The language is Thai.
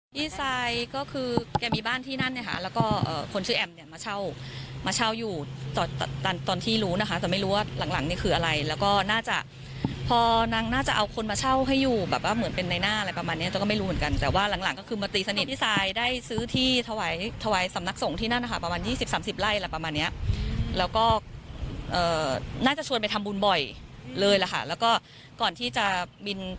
ทีนี้ถ้าฟังจากพี่หนุ่มใส่คลายพี่หนุ่มใส่คลายพี่หนุ่มใส่คลายพี่หนุ่มใส่คลายพี่หนุ่มใส่คลายพี่หนุ่มใส่คลายพี่หนุ่มใส่คลายพี่หนุ่มใส่คลายพี่หนุ่มใส่คลายพี่หนุ่มใส่คลายพี่หนุ่มใส่คลายพี่หนุ่มใส่คลายพี่หนุ่มใส่คลายพี่หนุ่มใส่คลายพี่หนุ่มใส่คลายพี่หนุ่มใส่คลายพี่หนุ่มใส่คลายพี่หนุ